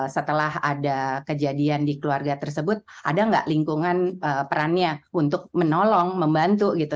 setelah ada kejadian di keluarga tersebut ada nggak lingkungan perannya untuk menolong membantu gitu